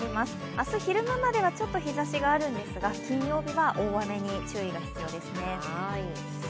明日昼間まではちょっと日ざしがあるんですが、金曜日は大雨に注意が必要ですね。